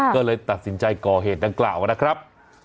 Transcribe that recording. ก็เลยตัดสินใจก่อเหตุดังกล่าวนะครับ